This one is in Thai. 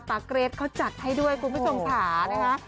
ปะเกรทเขาจัดให้ด้วยคุณไม่สงสารนะคะ